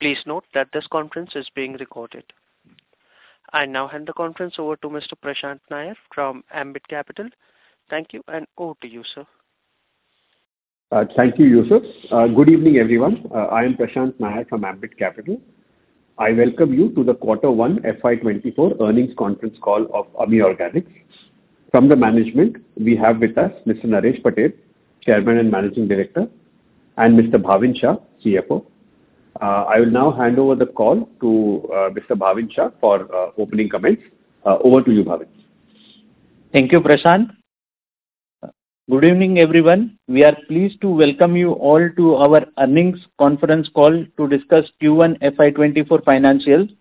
Please note that this conference is being recorded. I now hand the conference over to Mr. Prashant Nair from Ambit Capital. Thank you, and over to you, sir. Thank you, Yusuf. Good evening, everyone. I am Prashant Nair from Ambit Capital. I welcome you to the Quarter One FY 2024 Earnings Conference Call of Ami Organics. From the management, we have with us Mr. Naresh Patel, Chairman and Managing Director, and Mr. Bhavin Shah, CFO. I will now hand over the call to Mr. Bhavin Shah for opening comments. Over to you, Bhavin. Thank you, Prashant. Good evening, everyone. We are pleased to welcome you all to our earnings conference call to discuss Q1 FY 2024 financials.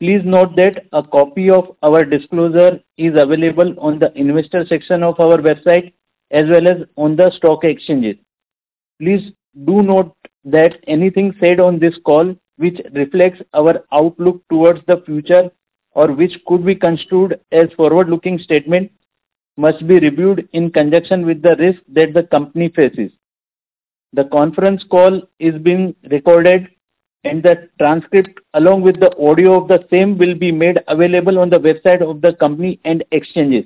Please note that a copy of our disclosure is available on the investor section of our website as well as on the stock exchanges. Please do note that anything said on this call, which reflects our outlook towards the future or which could be construed as a forward-looking statement, must be reviewed in conjunction with the risk that the company faces. The conference call is being recorded, and the transcript along with the audio of the same will be made available on the website of the company and exchanges.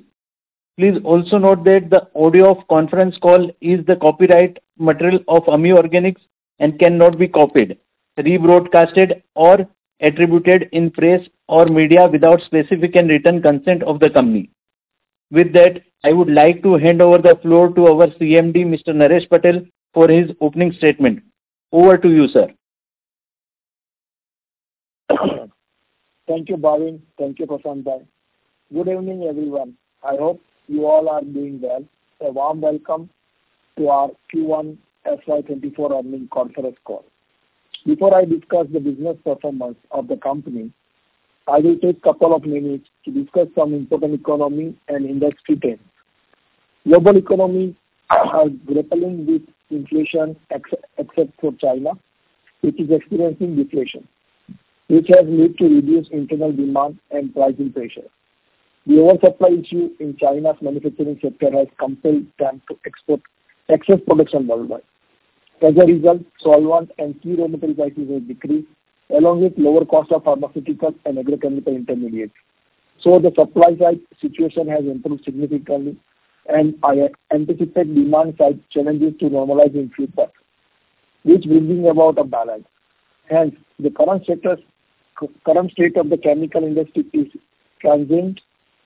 Please also note that the audio of the conference call is the copyright material of Ami Organics and cannot be copied, rebroadcasted, or attributed in press or media without specific and written consent of the company. With that, I would like to hand over the floor to our CMD, Mr. Naresh Patel, for his opening statement. Over to you, sir. Thank you, Bhavin. Thank you, Prashant. Good evening, everyone. I hope you all are doing well. A warm welcome to our Q1 FY 2024 earnings conference call. Before I discuss the business performance of the company, I will take a couple of minutes to discuss some important economy and industry trends. Global economies are grappling with inflation except for China, which is experiencing deflation, which has led to reduced internal demand and pricing pressure. The oversupply issue in China's manufacturing sector has compelled them to export excess production worldwide. As a result, solvent and key raw material prices have decreased, along with lower costs of pharmaceutical and agrochemical intermediates. The supply-side situation has improved significantly, and I anticipate demand-side challenges to normalize in the future, which brings about a balance. Hence, the current state of the chemical industry is transient,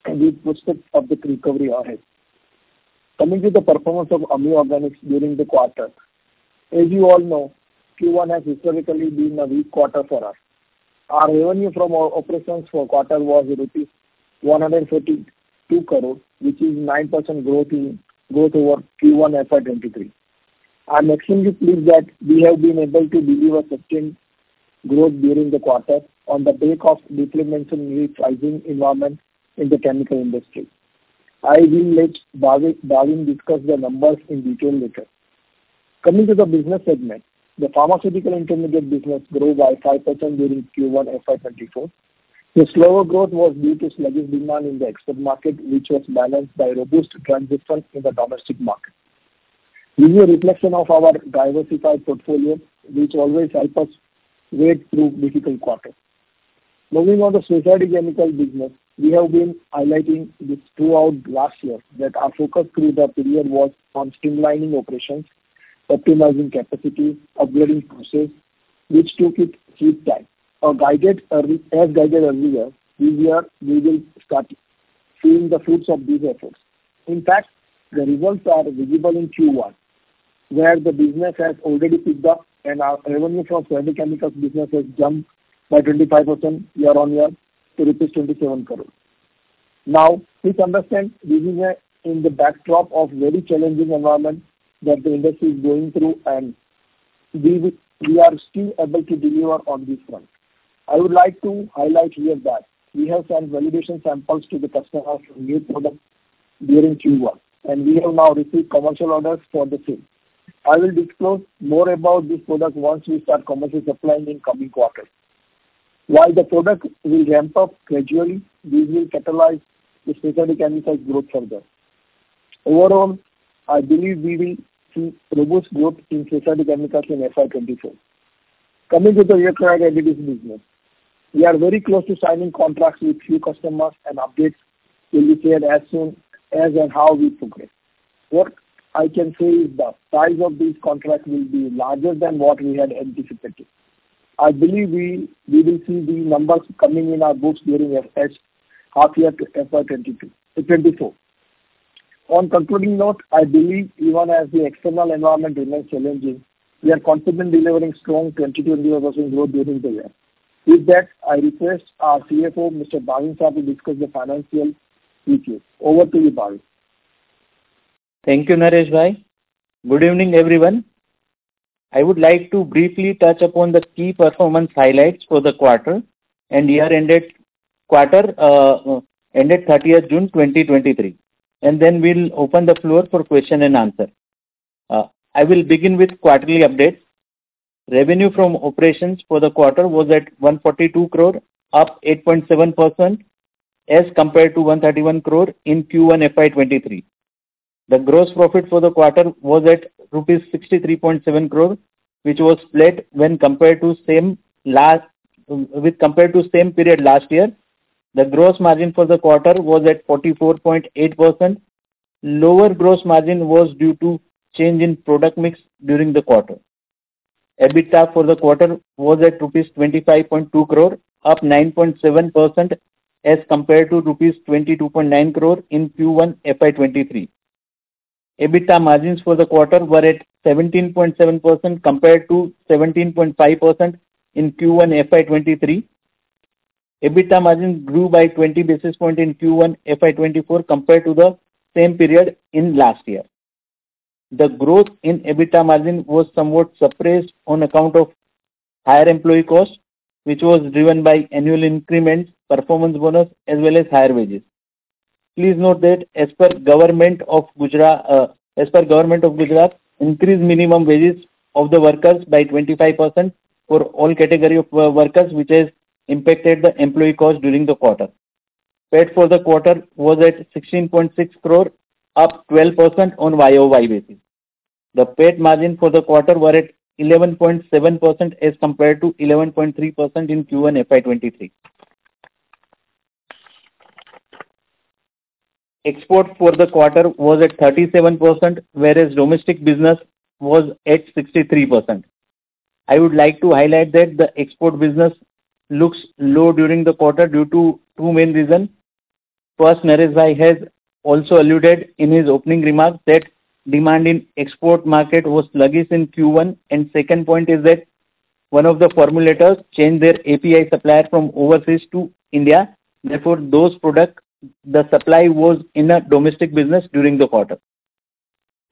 with prospects of recovery ahead. Coming to the performance of Ami Organics during the quarter, as you all know, Q1 has historically been a weak quarter for us. Our revenue from our operations for the quarter was rupees 132 crore, which is 9% growth over Q1 FY 2023. I'm extremely pleased that we have been able to deliver sustained growth during the quarter on the back of the deployment of new pricing environments in the chemical industry. I will let Bhavin discuss the numbers in detail later. Coming to the business segment, the pharmaceutical intermediate business grew by 5% during Q1 FY 2024. The slower growth was due to sluggish demand in the export market, which was balanced by robust transition in the domestic market. This is a reflection of our diversified portfolio, which always helps us wait through difficult quarters. Moving on to the Specialty Chemicals business, we have been highlighting throughout last year that our focus through the period was on streamlining operations, optimizing capacity, and upgrading processes, which took its sweet time. As guided earlier, this year, we will start seeing the fruits of these efforts. In fact, the results are visible in Q1, where the business has already picked up, and our revenue from the chemical business has jumped by 25% year-on-year to rupees 27 crore. Now, please understand this is in the backdrop of a very challenging environment that the industry is going through, and we are still able to deliver on this front. I would like to highlight here that we have sent validation samples to the customers of new products during Q1, and we have now received commercial orders for the same. I will disclose more about this product once we start commercial supply in the coming quarter. While the product will ramp up gradually, this will catalyze the specialty chemicals' growth further. Overall, I believe we will see robust growth in specialty chemicals in FY 2024. Coming to the electrolytes business, we are very close to signing contracts with few customers, and updates will be shared as soon as and how we progress. What I can say is the size of these contracts will be larger than what we had anticipated. I believe we will see the numbers coming in our books during half-year FY 2024. On concluding note, I believe even as the external environment remains challenging, we are confident in delivering strong 22% growth during the year. With that, I request our CFO, Mr. Bhavin Shah, to discuss the financial details. Over to you, Bhavin. Thank you, Nareshbhai. Good evening, everyone. I would like to briefly touch upon the key performance highlights for the quarter. We have ended Quarter ended 30th June 2023, and then we'll open the floor for question and answer. I will begin with quarterly updates. Revenue from operations for the quarter was at 142 crore, up 8.7% as compared to 131 crore in Q1 FY 2023. The gross profit for the quarter was at rupees 63.7 crore, which was flat when compared to same period last year. The gross margin for the quarter was at 44.8%. Lower gross margin was due to change in product mix during the quarter. EBITDA for the quarter was at rupees 25.2 crore, up 9.7% as compared to rupees 22.9 crore in Q1 FY 2023. EBITDA margins for the quarter were at 17.7% compared to 17.5% in Q1 FY 2023. EBITDA margin grew by 20 basis points in Q1 FY 2024 compared to the same period in last year. The growth in EBITDA margin was somewhat suppressed on account of higher employee cost, which was driven by annual increments, performance bonus, as well as higher wages. Please note that as per Government of Gujarat, increased minimum wages of the workers by 25% for all category of workers, which has impacted the employee cost during the quarter. Payroll for the quarter was at 16.6 crore, up 12% on YOY basis. The payroll margin for the quarter was at 11.7% as compared to 11.3% in Q1 FY 2023. Export for the quarter was at 37%, whereas domestic business was at 63%. I would like to highlight that the export business looks low during the quarter due to two main reasons. First, Nareshbhai has also alluded in his opening remarks that demand in the export market was sluggish in Q1. Second point is that one of the formulators changed their API supplier from overseas to India. Therefore, those products, the supply was in the domestic business during the quarter.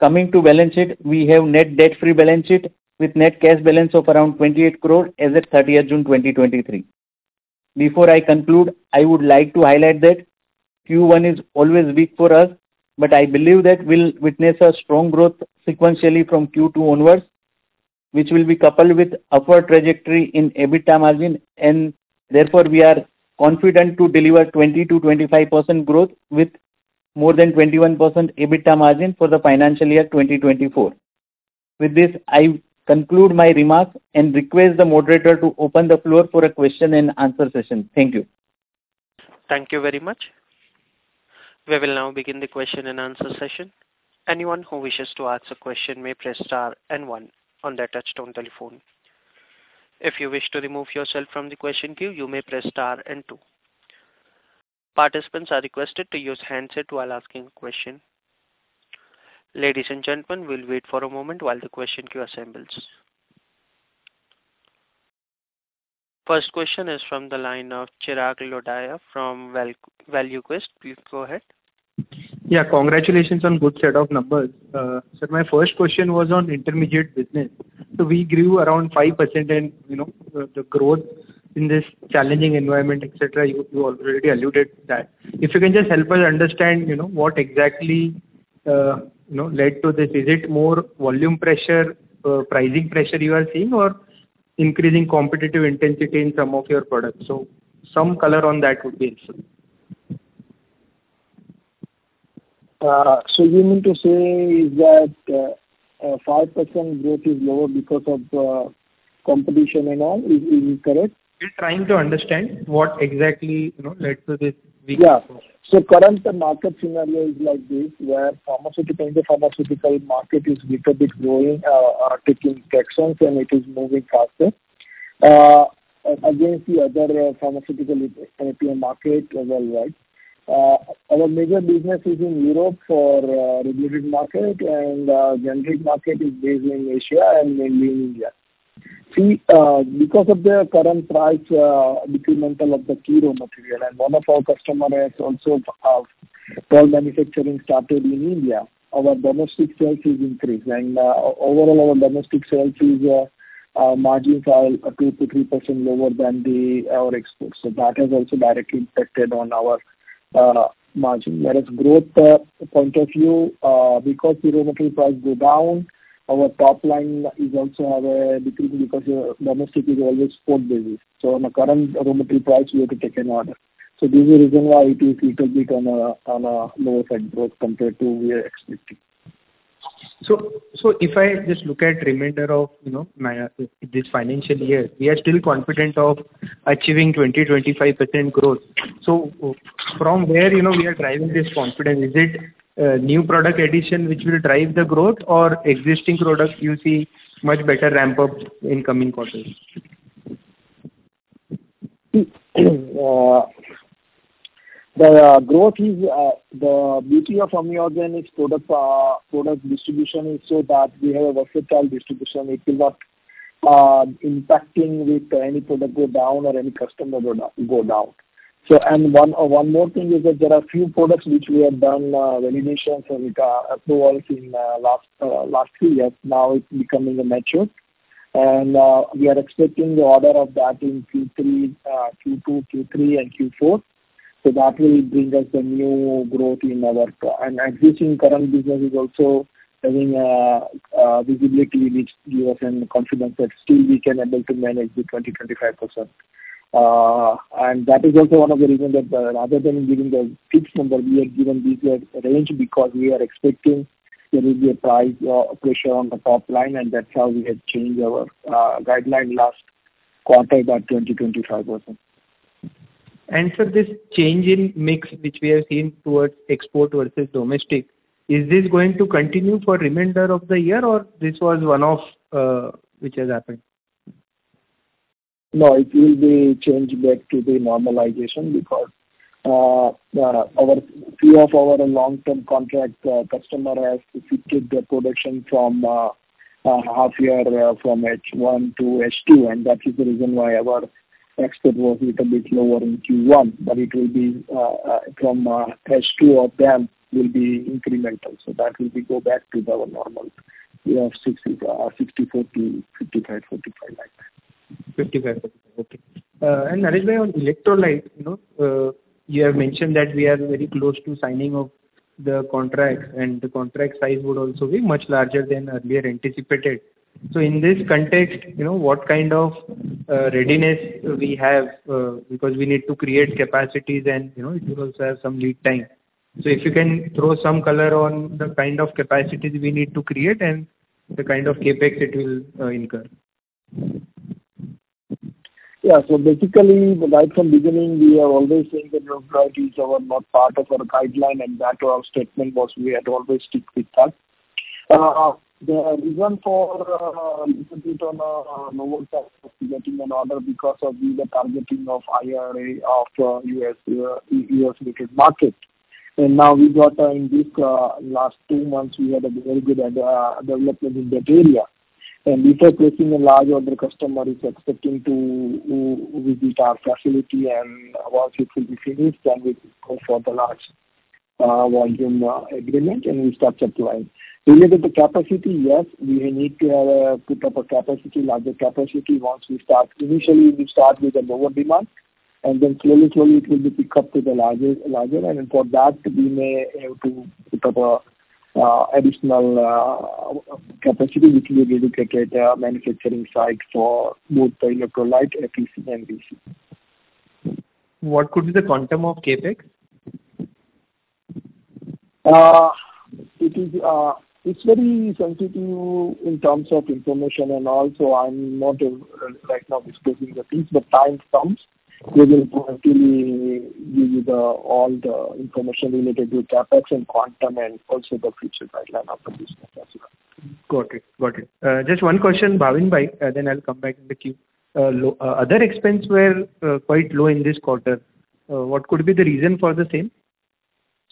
Coming to balance sheet, we have a net debt-free balance sheet with a net cash balance of around 28 crore as of 30th June 2023. Before I conclude, I would like to highlight that Q1 is always weak for us, but I believe that we'll witness strong growth sequentially from Q2 onwards, which will be coupled with an upward trajectory in EBITDA margin. And therefore, we are confident to deliver 20%-25% growth with more than 21% EBITDA margin for the financial year 2024. With this, I conclude my remarks and request the moderator to open the floor for a question and answer session. Thank you. Thank you very much. We will now begin the question and answer session. Anyone who wishes to ask a question may press star and one on the touchtone telephone. If you wish to remove yourself from the question queue, you may press star and two. Participants are requested to use handset while asking a question. Ladies and gentlemen, we'll wait for a moment while the question queue assembles. First question is from the line of Chirag Lodaya from ValueQuest. Please go ahead. Yeah. Congratulations on a good set of numbers. Sir, my first question was on intermediate business. We grew around 5% in the growth in this challenging environment, etc. You already alluded to that. If you can just help us understand what exactly led to this, is it more volume pressure, pricing pressure you are seeing, or increasing competitive intensity in some of your products? Some color on that would be helpful. You mean to say that 5% growth is lower because of competition and all? Is it correct? We're trying to understand what exactly led to this weakness. Yeah. The current market scenario is like this, where the pharmaceutical market is little bit growing, taking decisions, and it is moving faster against the other pharmaceutical markets worldwide. Our major business is in Europe for the regulated market, and the generic market is based in Asia and mainly in India. See, because of the current price incremental of the key raw material, and one of our customers also has manufacturing started in India, our domestic sales have increased. Overall, our domestic sales margins are 2%-3% lower than our exports. That has also directly affected our margin. Whereas from a growth point of view, because the raw material price goes down, our top line is also decreasing because domestic is always port-based. On the current raw material price, we have to take an order. This is the reason why it is little bit on a lower side growth compared to what we are expecting. If I just look at the remainder of this financial year, we are still confident in achieving 20%-25% growth. From where we are driving this confidence? Is it a new product addition which will drive the growth, or existing products you see much better ramp up in the coming quarters? The growth is the beauty of Ami Organics' product distribution is so that we have a versatile distribution. It will not impact any product go down or any customer go down. One more thing is that there are a few products which we have done validations and approvals in the last few years. Now it's becoming mature. We are expecting the order of that in Q2, Q3, and Q4. That will bring us the new growth in our product. The existing current business is also having visibility which gives us confidence that still we can be able to manage the 20%-25%. That is also one of the reasons that rather than giving a fixed number, we have given this range because we are expecting there will be a price pressure on the top line. That's how we have changed our guidance last quarter by 20%-25%. Sir, this change in mix which we have seen towards export versus domestic, is this going to continue for the remainder of the year, or was this a one-off which has happened? No, it will be a change back to the normalization because a few of our long-term contract customers have shifted their production from half-year from H1 to H2. That is the reason why our export was little bit lower in Q1. It will be from H2 of them will be incremental. That will go back to our normal 60%, 40%, 55%, 45% like that. 55%, 45%. Okay. Nareshbhai, on electrolytes, you have mentioned that we are very close to signing the contracts, and the contract size would also be much larger than earlier anticipated. In this context, what kind of readiness do we have? Because we need to create capacities, and it will also have some lead time. If you can throw some color on the kind of capacities we need to create and the kind of CapEx it will incur. Yeah. Basically, right from the beginning, we have always seen that raw materials are not part of our guideline, and that was our statement. We had always stuck with that. The reason for a little bit on a lower side of getting an order because we were targeting the IRA of the U.S.-related market. Now we got in these last two months, we had a very good development in that area. We are placing a large order. The customer is expecting to visit our facility. Once it will be finished, then we go for the large volume agreement, and we start supplying. Related to capacity, yes, we need to put up a larger capacity once we start. Initially, we start with a lower demand, and then slowly, slowly, it will be picked up to the larger. For that, we may have to put up additional capacity, which will dedicate a manufacturing site for both the electrolyte, FEC, and VC. What could be the quantum of CapEx? It's very sensitive in terms of information. Also, I'm not right now discussing the piece, but time comes, we will definitely give you all the information related to CapEx and quantum and also the future guideline of the business as well. Got it. Got it. Just one question, Bhavinbhai, then I'll come back in the queue. Other expenses were quite low in this quarter. What could be the reason for the same?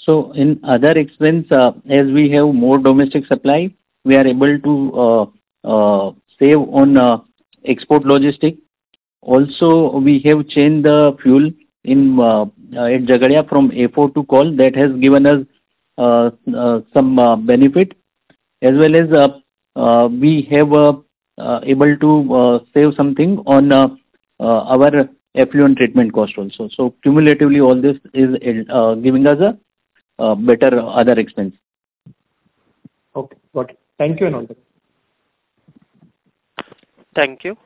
In other expenses, as we have more domestic supply, we are able to save on export logistics. Also, we have changed the fuel at Jhagadia from FO to coal. That has given us some benefit. As well as, we have been able to save something on our effluent treatment cost also. Cumulatively, all this is giving us a better other expense. Okay. Got it. Thank you, [Ananda]. Thank you.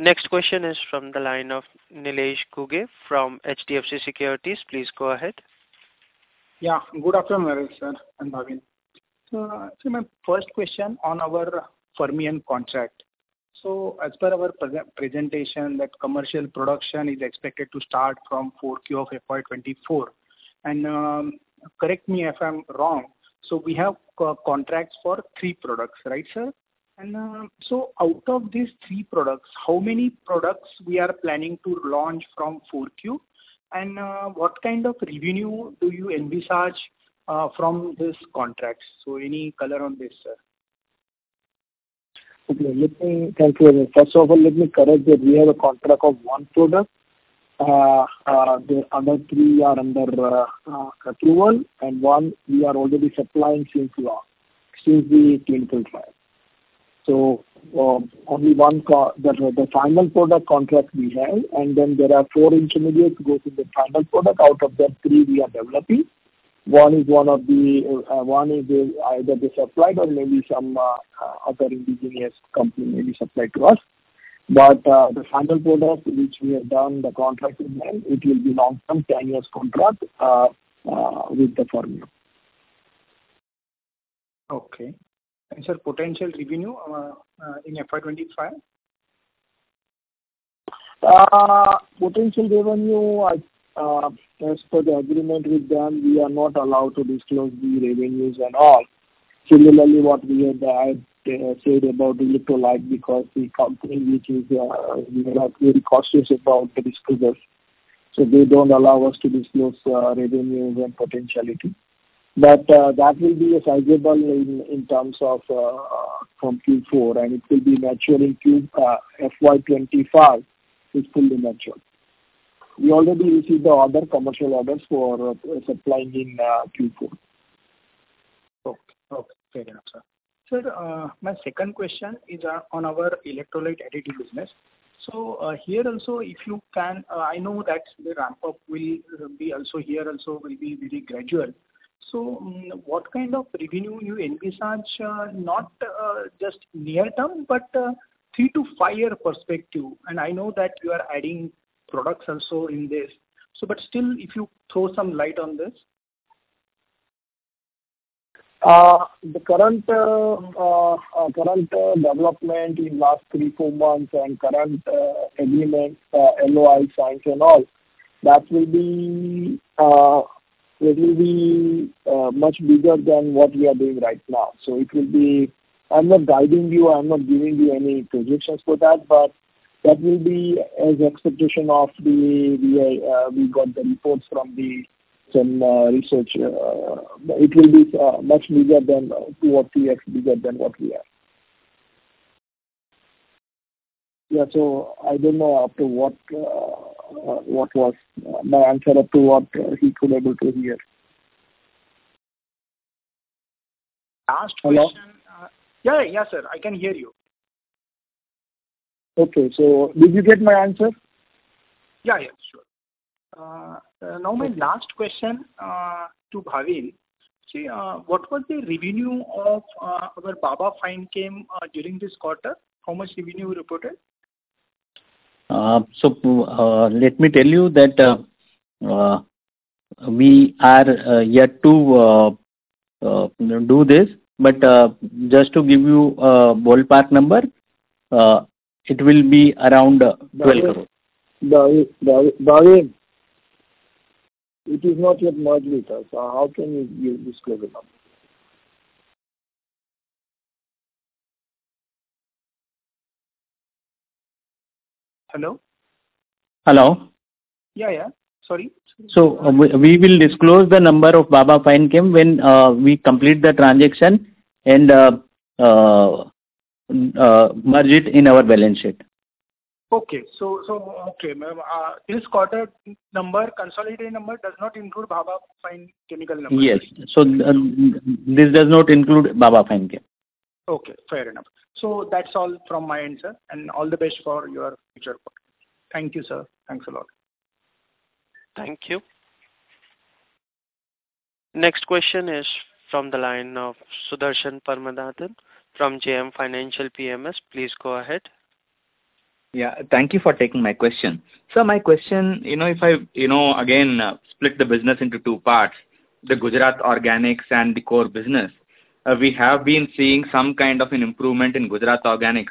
Next question is from the line of Nilesh Ghuge from HDFC Securities. Please go ahead. Yeah. Good afternoon, Nareshbhai and Bhavin. My first question is on our Fermion contract. As per our presentation, commercial production is expected to start from 4Q of FY 2024. Correct me if I'm wrong. We have contracts for three products, right, sir? Out of these three products, how many products are we planning to launch from 4Q? What kind of revenue do you envisage from these contracts? Any color on this, sir? Okay. First of all, let me correct that we have a contract of one product. The other three are under approval, and one we are already supplying since we clinical trial. Only the final product contract we have. Then there are four intermediates going to the final product. Out of them, three we are developing. One is either the supplier or maybe some other indigenous company maybe supplied to us. But the final product which we have done the contract with them, it will be a long-term 10-year contract with the Fermion. Okay. Sir, potential revenue in FY 2025? Potential revenue, as per the agreement with them, we are not allowed to disclose the revenues at all. Similarly, what we had said about electrolytes because we are very cautious about the disclosures. They don't allow us to disclose revenues and potentiality. But that will be sizable in terms of from Q4, and it will be mature in FY 2025. It is fully mature. We already received the other commercial orders for supplying in Q4. Okay. Okay. Fair enough, sir. Sir, my second question is on our electrolyte additive business. Here also, if you can I know that the ramp-up will be also here also will be very gradual. What kind of revenue do you envisage, not just near-term, but three- to five-year perspective? I know that you are adding products also in this. But still, if you throw some light on this. The current development in the last three, four months and current agreements, LOI signs and all, that will be much bigger than what we are doing right now. It will be. I'm not guiding you. I'm not giving you any projections for that. But that will be as an expectation of the we got the reports from the. Some research. It will be much bigger than 2 or 3x bigger than what we are. Yeah. I don't know up to what was my answer up to what he could be able to hear. Last question. Hello? Yeah. Yeah, sir. I can hear you. Okay. Did you get my answer? Yeah. Yeah. Sure. Now, my last question to Bhavin. See, what was the revenue of our Baba Fine Chem during this quarter? How much revenue you reported? Let me tell you that we are yet to do this. But just to give you a ballpark number, it will be around 12 crore. Bhavin, it is not yet merged. How can you give this global number? Hello? Hello? Yeah. Yeah. Sorry. Sorry. We will disclose the number of Baba Fine Chem when we complete the transaction and merge it in our balance sheet. Okay. Okay, ma'am. This quarter number, consolidated number, does not include Baba Fine Chemicals number. Yes. This does not include Baba Fine Chem. Okay. Fair enough. That's all from my end, sir, and all the best for your future quarter. Thank you, sir. Thanks a lot. Thank you. Next question is from the line of Sudarshan Padmanabhan from JM Financial PMS. Please go ahead. Yeah. Thank you for taking my question. My question, if I again split the business into two parts, the Gujarat Organics and the core business, we have been seeing some kind of an improvement in Gujarat Organics.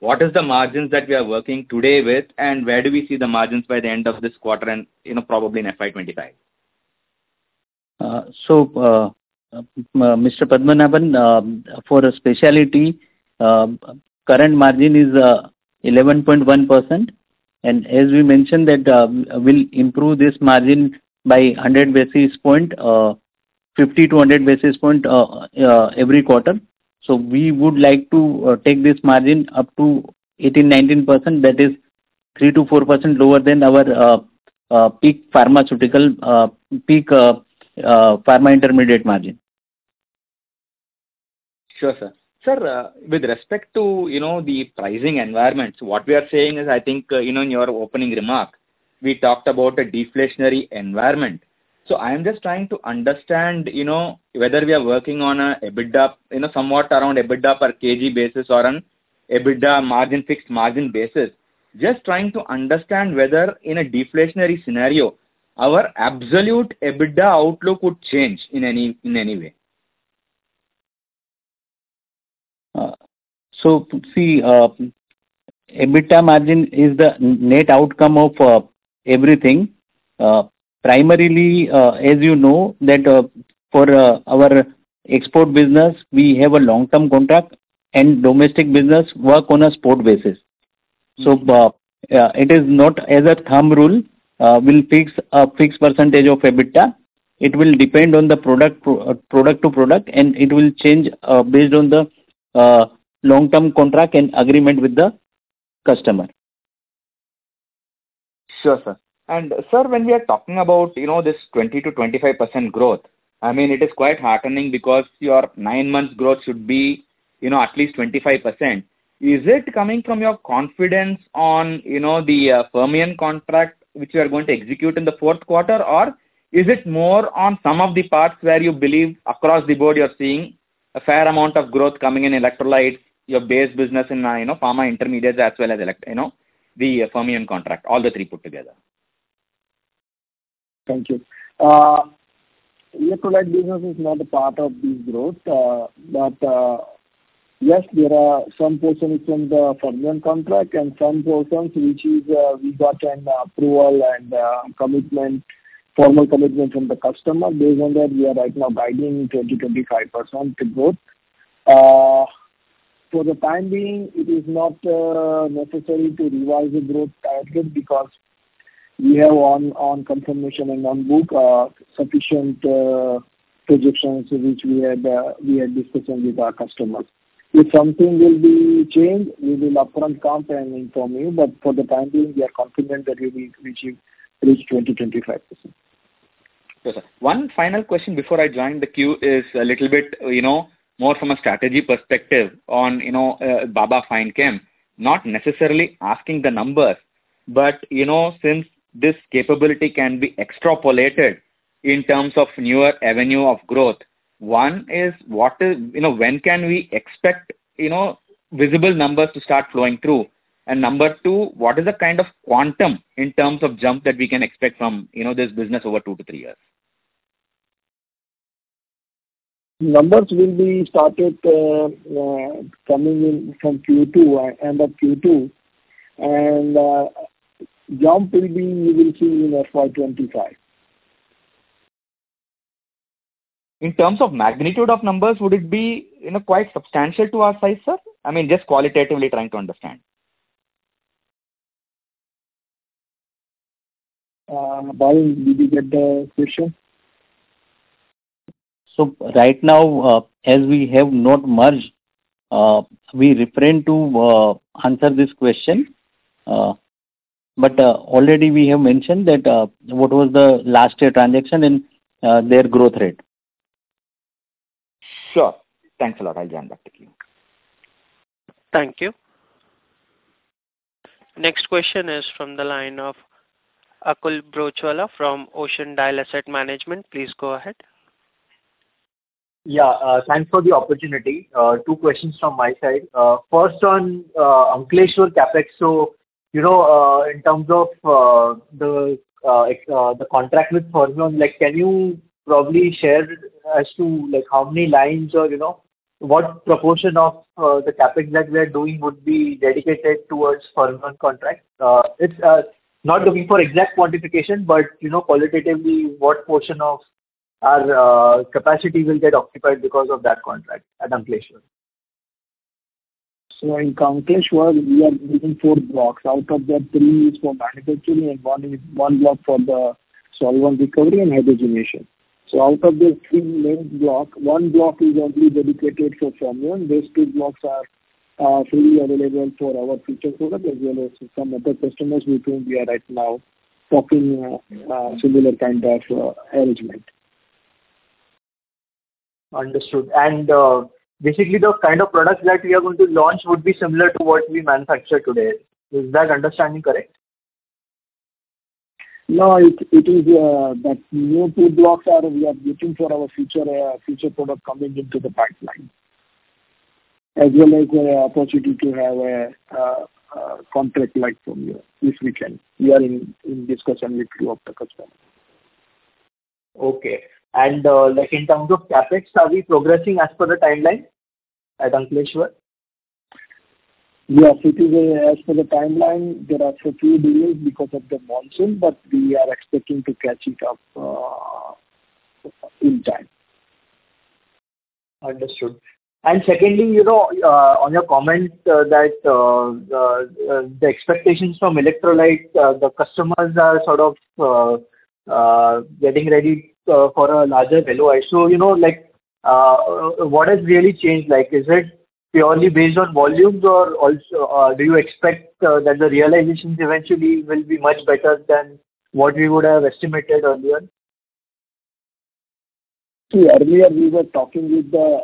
What is the margins that we are working today with, and where do we see the margins by the end of this quarter and probably in FY 2025? Mr. Padmanabhan, for a specialty, current margin is 11.1%, and as we mentioned that we'll improve this margin by 100 basis points, 50 to 100 basis points every quarter. We would like to take this margin up to 18%-19%. That is 3%-4% lower than our peak pharmaceutical, peak pharma intermediate margin. Sure, sir. Sir, with respect to the pricing environments, what we are saying is, I think in your opening remark, we talked about a deflationary environment. I am just trying to understand whether we are working on an EBITDA somewhat around an EBITDA per kg basis or an EBITDA margin fixed margin basis. Just trying to understand whether in a deflationary scenario, our absolute EBITDA outlook would change in any way. See, EBITDA margin is the net outcome of everything. Primarily, as you know, that for our export business, we have a long-term contract, and domestic business work on a spot basis. It is not as a thumb rule we'll fix a fixed percentage of EBITDA. It will depend on the product to product, and it will change based on the long-term contract and agreement with the customer. Sure, sir. Sir, when we are talking about this 20%-25% growth, I mean, it is quite heartening because your nine months growth should be at least 25%. Is it coming from your confidence on the Fermion contract which you are going to execute in the fourth quarter, or is it more on some of the parts where you believe across the board, you're seeing a fair amount of growth coming in electrolytes, your base business in pharma intermediates as well as the Fermion contract, all the three put together? Thank you. Electrolyte business is not a part of this growth. But yes, there are some portions from the Fermion contract and some portions which we got an approval and formal commitment from the customer. Based on that, we are right now guiding 20%-25% growth. For the time being, it is not necessary to revise the growth target because we have on confirmation and on book sufficient projections which we had discussed with our customers. If something will be changed, we will upfront come and inform you. But for the time being, we are confident that we will reach 20%-25%. Yes, sir. One final question before I join the queue is a little bit more from a strategy perspective on Baba Fine Chem. Not necessarily asking the numbers, but since this capability can be extrapolated in terms of newer avenue of growth, one is when can we expect visible numbers to start flowing through? Number two, what is the kind of quantum in terms of jump that we can expect from this business over two to three years? Numbers will be started coming in from end of Q2, and jump will be you will see in FY 2025. In terms of magnitude of numbers, would it be quite substantial to our size, sir? I mean, just qualitatively trying to understand. Bhavin, did you get the question? Right now, as we have not merged, we refer to answer this question. Already, we have mentioned what was the last year transaction and their growth rate. Sure. Thanks a lot. I'll jump back to you. Thank you. Next question is from the line of Akul Broachwala from Ocean Dial Asset Management. Please go ahead. Yeah. Thanks for the opportunity. Two questions from my side. First on Ankleshwar CapEx. In terms of the contract with Fermion, can you probably share as to how many lines or what proportion of the CapEx that we are doing would be dedicated towards Fermion contract? It's not looking for exact quantification, but qualitatively, what portion of our capacity will get occupied because of that contract at Ankleshwar? In Ankleshwar, we are using four blocks. Out of the three is for manufacturing, and one is one block for the solvent recovery and hydrogenation. Out of the three main blocks, one block is only dedicated for Fermion. These two blocks are fully available for our future product as well as some other customers with whom we are right now talking similar kind of arrangement. Understood. Basically, the kind of products that we are going to launch would be similar to what we manufacture today. Is that understanding correct? No, it is that new two blocks are we are waiting for our future product coming into the pipeline as well as an opportunity to have a contract like Fermion if we can. We are in discussion with two of the customers. Okay. In terms of CapEx, are we progressing as per the timeline at Ankleshwar? Yes. As per the timeline, there are a few delays because of the monsoon, but we are expecting to catch it up in time. Understood. Secondly, on your comment that the expectations from electrolytes, the customers are sort of getting ready for a larger LOI. What has really changed? Is it purely based on volumes, or do you expect that the realizations eventually will be much better than what we would have estimated earlier? See, earlier, we were talking with the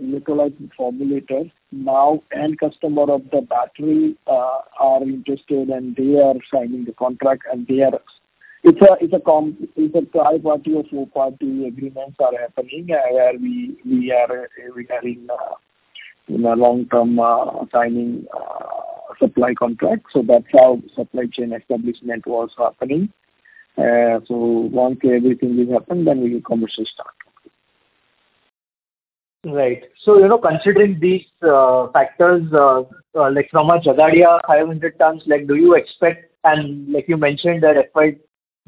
electrolyte formulator. Now, end customer of the battery are interested, and they are signing the contract. It's a third-party or four-party agreements are happening where we are in a long-term signing supply contract. That's how supply chain establishment was happening. Once everything will happen, then we will commercially start. Right. Considering these factors, from a Jhagadia 500 tons, do you expect and you mentioned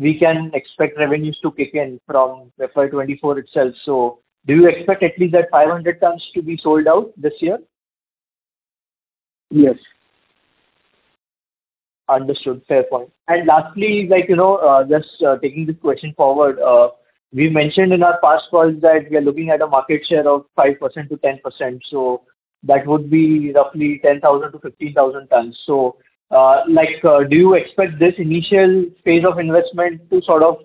that we can expect revenues to kick in from FY 2024 itself. Do you expect at least that 500 tons to be sold out this year? Yes. Understood. Fair point. Lastly, just taking this question forward, we mentioned in our past calls that we are looking at a market share of 5%-10%. That would be roughly 10,000-15,000 tons. Do you expect this initial phase of investment to sort of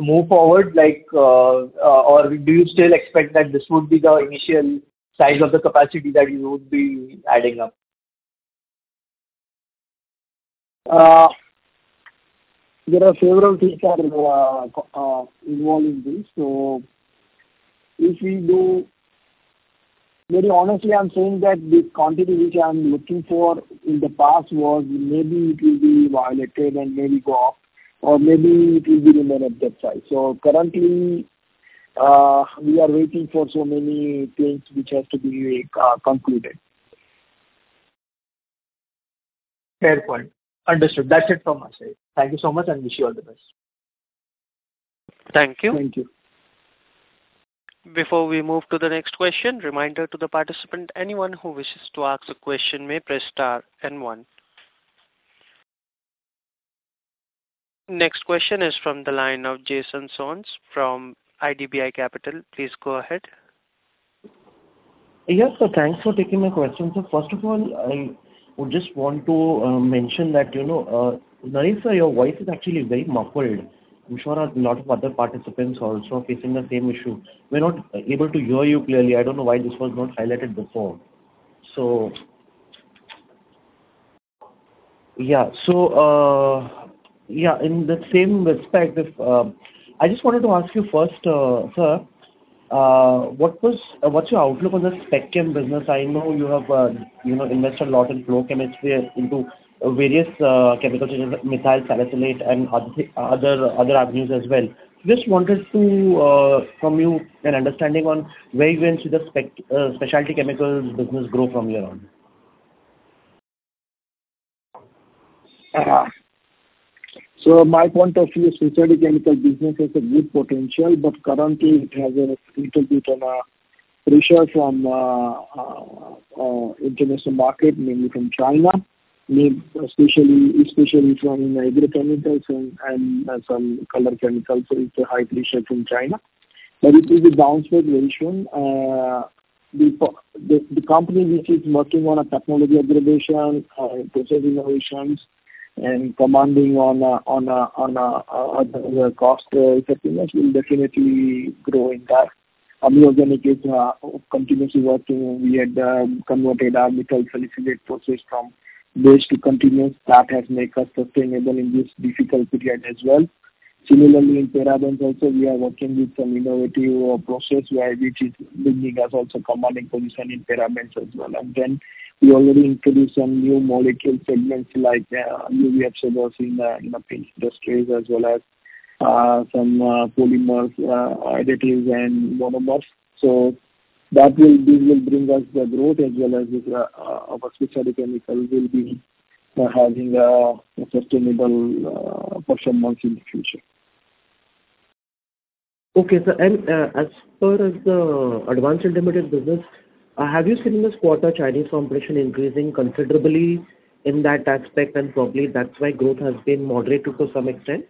move forward, or do you still expect that this would be the initial size of the capacity that you would be adding up? There are several things that are involved in this. If we do very honestly, I'm saying that the quantity which I'm looking for in the past was maybe it will be violated and maybe go up, or maybe it will be remain at that size. Currently, we are waiting for so many things which have to be concluded. Fair point. Understood. That's it from my side. Thank you so much, and wish you all the best. Thank you. Thank you. Before we move to the next question, reminder to the participant, anyone who wishes to ask a question may press star and one. Next question is from the line of Jason Soans from IDBI Capital. Please go ahead. Yes. Thanks for taking my question. First of all, I would just want to mention that Naresh, your voice is actually very muffled. I'm sure a lot of other participants are also facing the same issue. We're not able to hear you clearly. I don't know why this was not highlighted before. Yeah. Yeah. In the same respect, I just wanted to ask you first, sir, what's your outlook on the spec chem business? I know you have invested a lot in flow chemistry into various chemical changes, methyl salicylate, and other avenues as well. Just wanted from you an understanding on where you went with the specialty chemicals business grow from here on. My point of view, specialty chemicals business has a good potential, but currently, it has a little bit under pressure from international market, mainly from China, especially from agrochemicals and some color chemicals. It's a high pressure from China. But it will bounce back very soon. The company which is working on technology aggregation, process innovations, and commanding on the cost effectiveness will definitely grow in that. Ami Organics is continuously working. We had converted our methyl salicylate process from batch to continuous. That has made us sustainable in this difficult period as well. Similarly, in Parabens also, we are working with some innovative process which is bringing us also commanding position in Parabens as well. And then we already introduced some new molecule segments like UV Absorbers in the paint industries as well as some polymers, additives, and monomers. These will bring us the growth as well as our specialty chemical will be having a sustainable performance in the future. Okay, sir. As far as the Advanced Intermediates business, have you seen in this quarter Chinese competition increasing considerably in that aspect? Probably that's why growth has been moderated to some extent?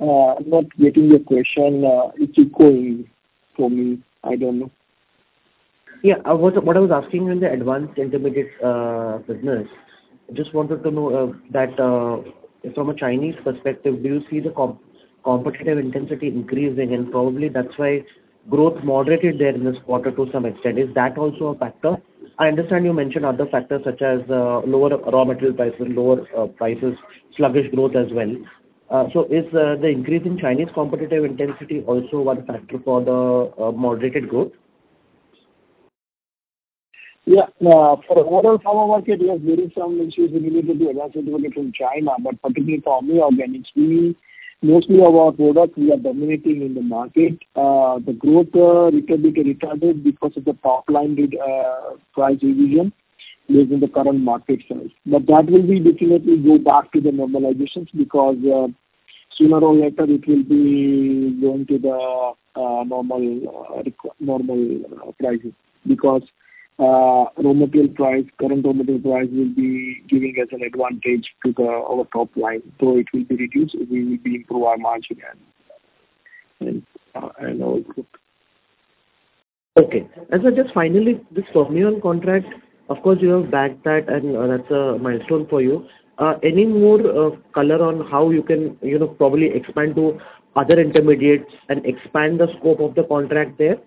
I'm not getting your question. It's echoing for me. I don't know. Yeah. What I was asking you in the Advanced Intermediates business, I just wanted to know that from a Chinese perspective, do you see the competitive intensity increasing? Probably that's why growth moderated there in this quarter to some extent. Is that also a factor? I understand you mentioned other factors such as lower raw material prices and sluggish growth as well. Is the increase in Chinese competitive intensity also one factor for the moderated growth? Yeah. For our pharma market, we have various issues related to advanced intermediates from China. But particularly for Ami Organics, most of our products, we are dominating in the market. The growth is a little bit retarded because of the top-line price revision based on the current market size. But that will definitely go back to the normalization because sooner or later, it will be going to the normal prices because current raw material price will be giving us an advantage to our top line. It will be reduced. We will be improving our margin and our growth. Okay. Just finally, this Fermion contract, of course, you have bagged that, and that's a milestone for you. Any more color on how you can probably expand to other intermediates and expand the scope of the contract there?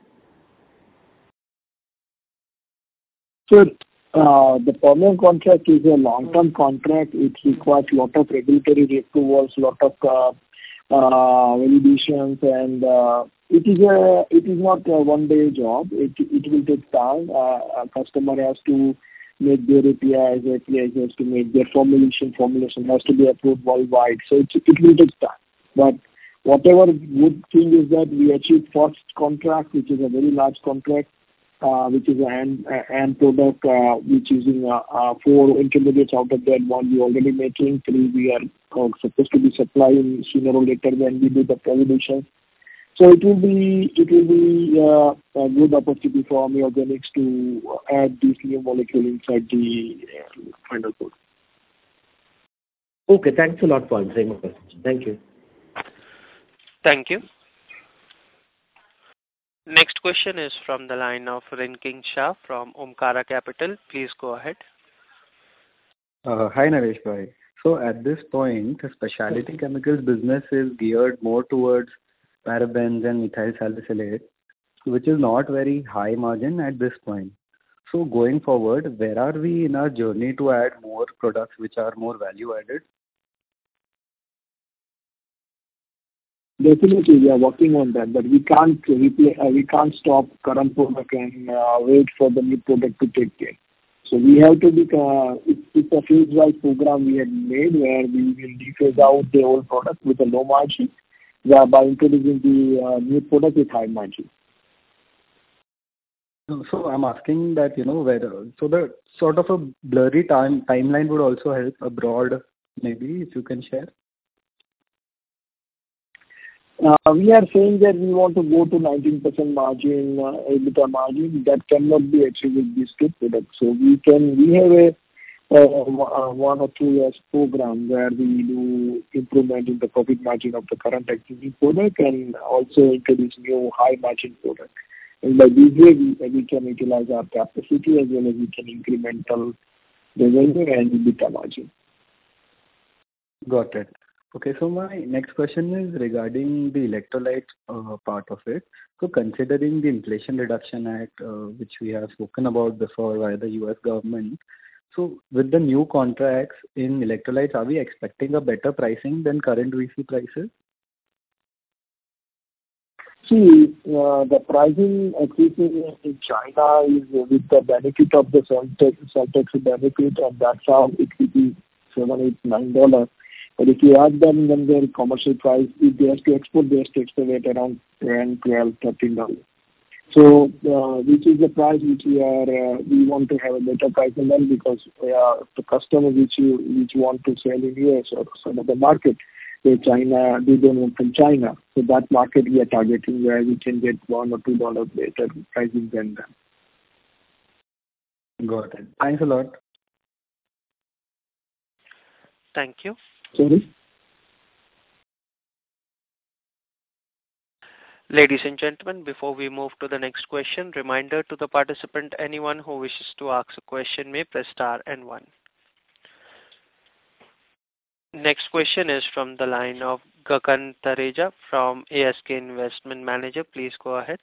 Sure. The Fermion contract is a long-term contract. It requires a lot of regulatory approvals, a lot of validations. And it is not a one-day job. It will take time. A customer has to make their APIs accurately. It has to make their formulation. Formulation has to be approved worldwide. It will take time. But whatever good thing is that we achieved first contract, which is a very large contract, which is an end product which is in four intermediates out of that, one we're already making. Three, we are supposed to be supplying sooner or later when we do the validation. It will be a good opportunity for Ami Organics to add these new molecules inside the final product. Okay. Thanks a lot, [Bhavin. Same question]. Thank you. Thank you. Next question is from the line of Rikin Shah from Omkara Capital. Please go ahead. Hi, Nareshbhai. At this point, specialty chemicals business is geared more towards parabens and methyl salicylate, which is not very high margin at this point. Going forward, where are we in our journey to add more products which are more value-added? Definitely, we are working on that. But we can't stop current product and wait for the new product to take care. We have to... it's a phase-wise program we have made where we will phase out the old product with a low margin by introducing the new product with high margin. I'm asking that where sort of a blurry timeline would also help abroad, maybe if you can share. We are saying that we want to go to 19% margin, 8% margin. That cannot be achieved with these two products. We have one or two years program where we do improvement in the profit margin of the current existing product and also introduce new high-margin product. By this way, we can utilize our capacity as well as we can incremental revenue and EBITDA margin. Got it. Okay. My next question is regarding the electrolyte part of it. Considering the Inflation Reduction Act which we have spoken about before by the U.S. government, so with the new contracts in electrolytes, are we expecting a better pricing than current VC prices? See, the pricing in China is with the benefit of the Soltex benefit, and that's how it will be $7, $8, $9. But if you ask them when their commercial price, if they have to export, they have to export it around $10, $12, $13, which is the price which we want to have a better price than them because the customers which want to sell in U.S. or some of the market, they don't want from China. That market we are targeting where we can get $1 or $2 better pricing than them. Got it. Thanks a lot. Thank you. Sorry? Ladies and gentlemen, before we move to the next question, reminder to the participants, anyone who wishes to ask a question may press star and one. Next question is from the line of Gagan Thareja from ASK Investment Managers. Please go ahead.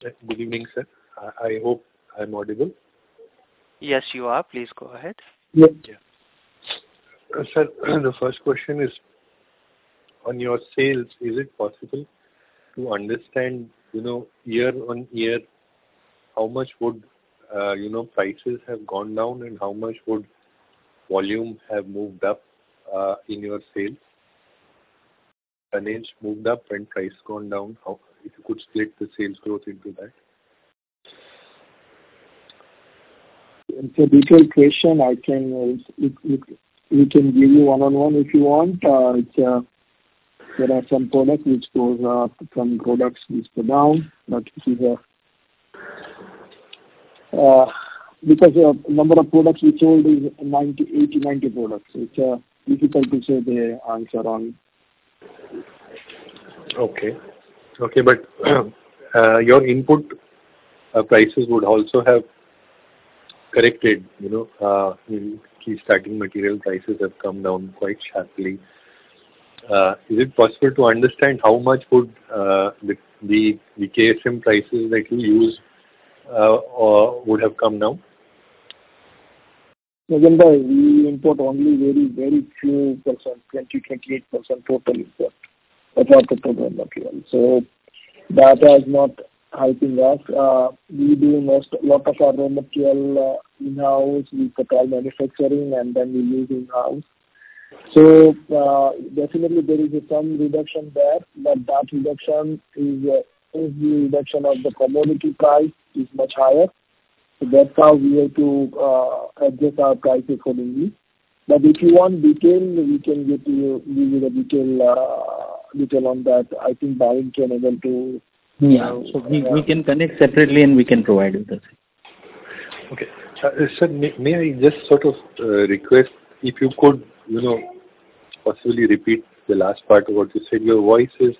Good evening, sir. I hope I'm audible. Yes, you are. Please go ahead. Yes. Sir, the first question is, on your sales, is it possible to understand year-on-year how much would prices have gone down and how much would volume have moved up in your sales? Just, moved up and price gone down, if you could split the sales growth into that. It's a detailed question. We can give you one-on-one if you want. There are some products which goes up, some products which go down. But because the number of products we sold is 80, 90 products, it's difficult to say the answer on. Okay. Okay. But your input prices would also have corrected. Key starting material prices have come down quite sharply. Is it possible to understand how much would the KSM prices that you use would have come down? Again, we import only very, very few percent, 20%-28% total import of our total raw material. That has not helped enough. We do a lot of our raw material in-house. We put all manufacturing, and then we use in-house. Definitely, there is some reduction there. But that reduction is the reduction of the commodity price is much higher. That's how we have to adjust our prices accordingly. But if you want detail, we can give you the detail on that. I think Bhavin can enable to. Yeah. We can connect separately, and we can provide you the same. Okay. Sir, may I just sort of request, if you could possibly repeat the last part of what you said? Your voice is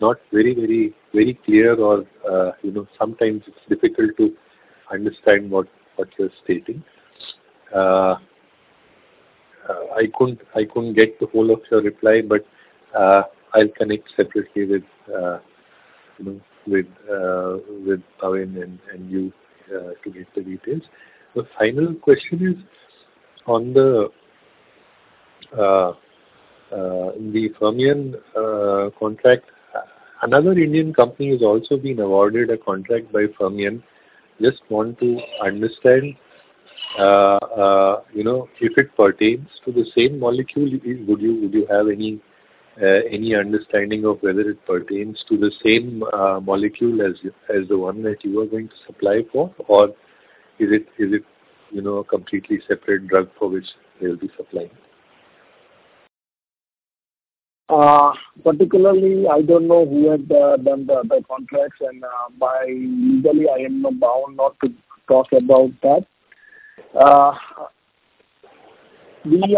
not very, very, very clear, or sometimes it's difficult to understand what you're stating. I couldn't get the whole of your reply, but I'll connect separately with Bhavin and you to get the details. The final question is, on the Fermion contract, another Indian company has also been awarded a contract by Fermion. Just want to understand if it pertains to the same molecule, would you have any understanding of whether it pertains to the same molecule as the one that you were going to supply for, or is it a completely separate drug for which they'll be supplying? Particularly, I don't know who had done the contracts. Legally, I am bound not to talk about that. We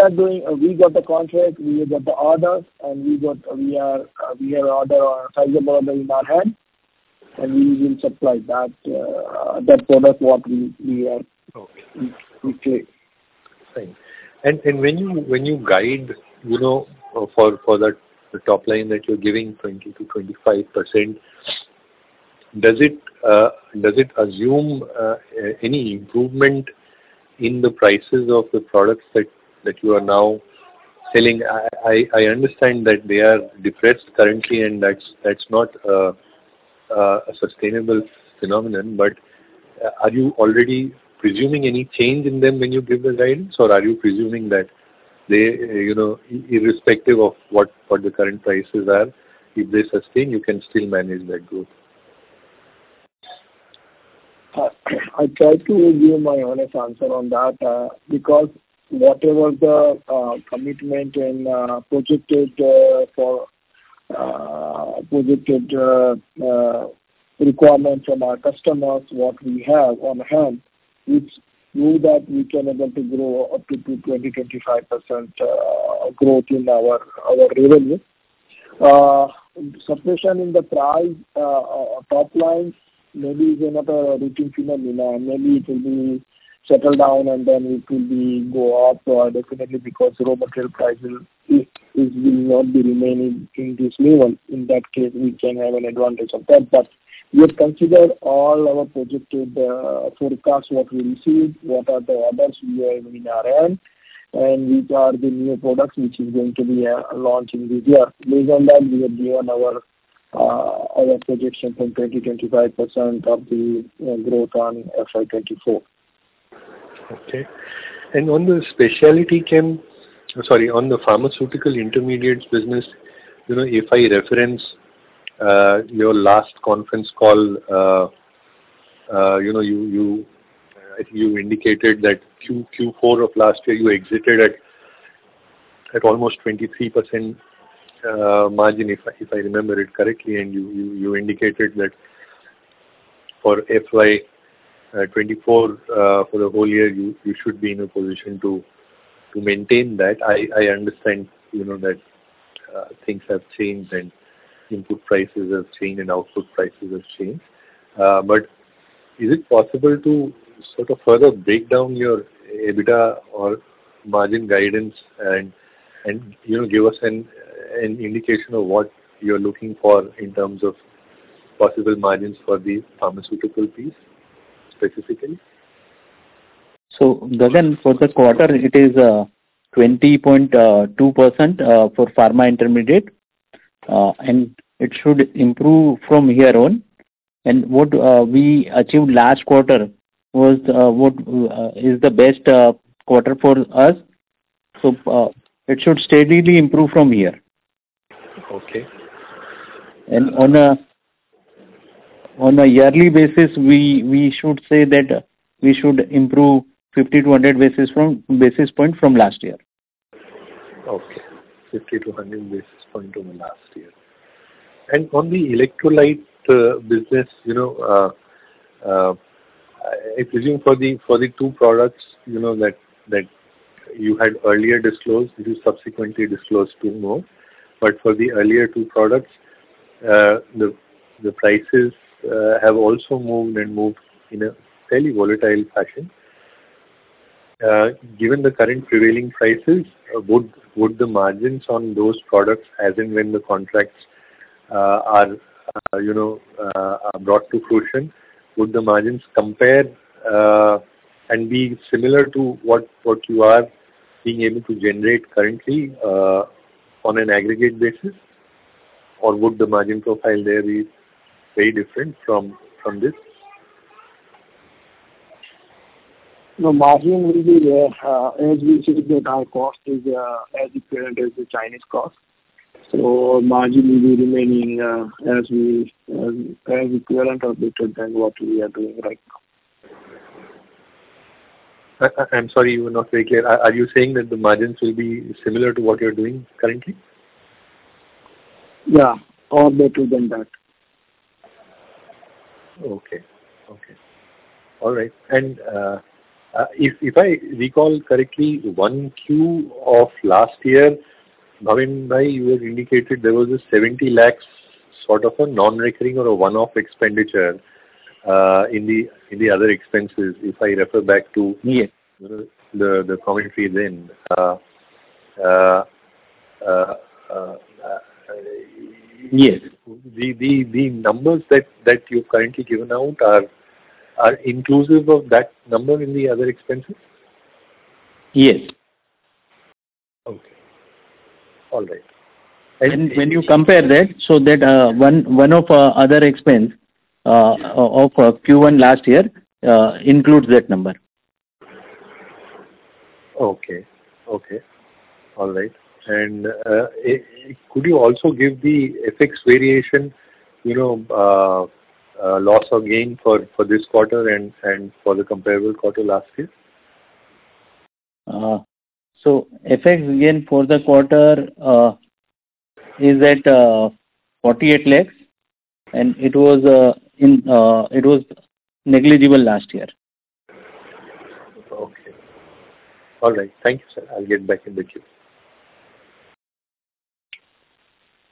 got the contract. We got the order. We have a sizable order in our head, and we will supply that product what we are we play. Okay. Thanks. When you guide for the top line that you're giving, 20%-25%, does it assume any improvement in the prices of the products that you are now selling? I understand that they are depressed currently, and that's not a sustainable phenomenon. But are you already presuming any change in them when you give the guidance, or are you presuming that irrespective of what the current prices are, if they sustain, you can still manage that growth? I'll try to give my honest answer on that because whatever the commitment and projected requirement from our customers, what we have on hand, which prove that we can enable to grow up to 20%-25% growth in our revenue. Suspension in the top line maybe is not a routine phenomenon. Maybe it will settle down, and then it will go up definitely because raw material prices will not be remaining in this level. In that case, we can have an advantage of that. But we have considered all our projected forecasts, what we received, what are the orders we have in our hand, and which are the new products which is going to be launching this year. Based on that, we have given our projection from 20%-25% of the growth on FY 2024. Okay. On the specialty chem sorry, on the pharmaceutical intermediates business, if I reference your last conference call, I think you indicated that Q4 of last year, you exited at almost 23% margin, if I remember it correctly. You indicated that f or FY2024, for the whole year, you should be in a position to maintain that. I understand that things have changed, and input prices have changed, and output prices have changed. But is it possible to sort of further break down your EBITDA or margin guidance and give us an indication of what you're looking for in terms of possible margins for the pharmaceutical piece specifically? Gagan, for the quarter, it is 20.2% for pharma intermediate, and it should improve from here on. What we achieved last quarter is the best quarter for us. It should steadily improve from here. On a yearly basis, we should say that we should improve 50-100 basis points from last year. Okay. 50-100 basis points from last year. On the electrolyte business, I presume for the two products that you had earlier disclosed, you subsequently disclosed two more. But for the earlier two products, the prices have also moved and moved in a fairly volatile fashion. Given the current prevailing prices, would the margins on those products as and when the contracts are brought to fruition, would the margins compare and be similar to what you are being able to generate currently on an aggregate basis, or would the margin profile there be very different from this? The margin will be as we see that our cost is as equivalent as the Chinese cost. Margin will be remaining as equivalent or better than what we are doing right now. I'm sorry you were not very clear. Are you saying that the margins will be similar to what you're doing currently? Yeah. Or better than that. Okay. Okay. All right. If I recall correctly, 1Q of last year, Bhavinbhai, you had indicated there was an 70 lakh sort of a non-recurring or a one-off expenditure in the other expenses. If I refer back to the commentary then, the numbers that you've currently given out are inclusive of that number in the other expenses? Yes. Okay. All right. When you compare that, so that one-off other expense of Q1 last year includes that number. Okay. Okay. All right. Could you also give the FX variation loss or gain for this quarter and for the comparable quarter last year? FX gain for the quarter is at 48 lakhs, and it was negligible last year. Okay. All right. Thank you, sir. I'll get back in with you.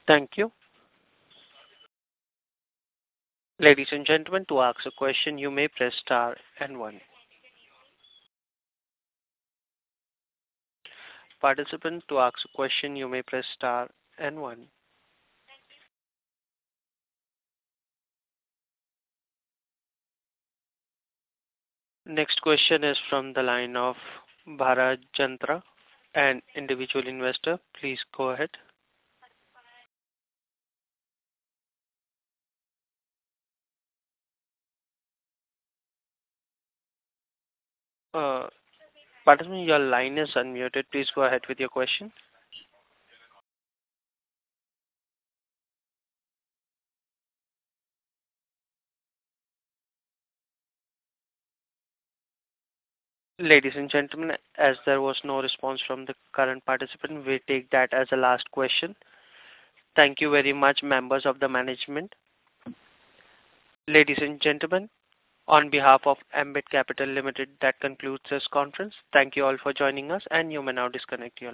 Thank you. Ladies and gentlemen, to ask a question, you may press star and one. Participant, to ask a question, you may press star and one. Next question is from the line of Bharat Jantra, an individual investor. Please go ahead. Participant, your line is unmuted. Please go ahead with your question. Ladies and gentlemen, as there was no response from the current participant, we take that as a last question. Thank you very much, members of the management. Ladies and gentlemen, on behalf of Ambit Capital Limited, that concludes this conference. Thank you all for joining us, and you may now disconnect your...